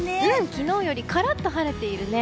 昨日よりカラッと晴れているね。